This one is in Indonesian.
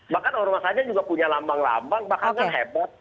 bahkan ormas aja juga punya lambang lambang bahkan kan hebat